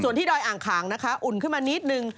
ส่วนที่ดอย่างคาวอุ่นขึ้นนิดนึง